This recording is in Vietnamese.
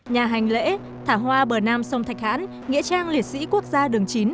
nhà hành lễ thả hoa bờ nam sông thạch hãn nghĩa trang liệt sĩ quốc gia đường chín